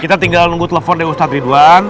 kita tinggal nunggu telepon dari ustadz ridwan